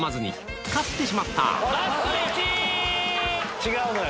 違うのよ。